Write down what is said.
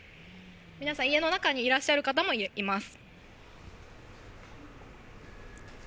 皆さん、家の中にいらっしゃる方もいます。